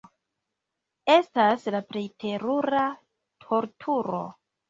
Estas la plej terura torturo.